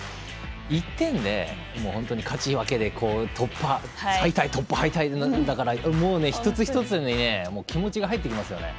１点で、勝ち負けで突破、敗退、突破、敗退だから、一つ一つに気持ちが入ってきますよね。